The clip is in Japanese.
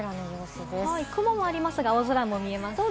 カメ雲も見えますが、青空も見えますね。